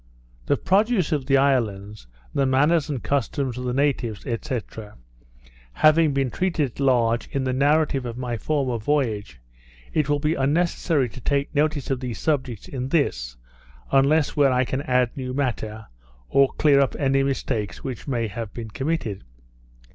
The produce of the islands, the manners and customs of the natives, &c. having been treated at large in the narrative of my former voyage, it will be unnecessary to take notice of these subjects in this, unless where I can add new matter, or clear up any mistakes which may have been committed.